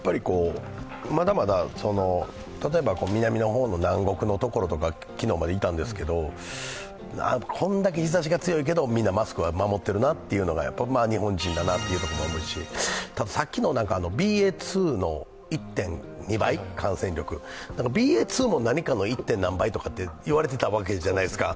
まだまだ、例えば南の方の南国とか、昨日までいたんですけどこれだけ日ざしが強いけどみんなマスクは守っているなというのが日本人だなと思うし、さっきのＢＡ．２の感染力１．２倍、ＢＡ．２も何かの１．何倍とか言われてたわけじゃないですか。